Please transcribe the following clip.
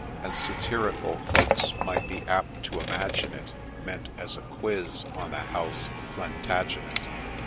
' And satirical folks might be apt to imagine it Meant as a quiz on the House of Plantagenet.